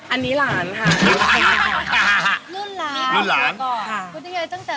อันนี้หลานค่ะหมื่นหลานครับก่อนว่าเป็นยังไง